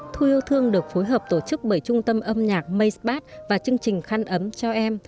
thu yêu thương được phối hợp tổ chức bởi trung tâm âm nhạc mays bát và chương trình khăn ấm cho em